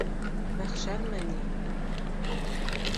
Мәхшәрме ни?!